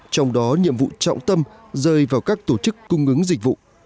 trong đó nhiệm vụ trọng tâm rơi vào các tổ chức cung ứng dịch vụ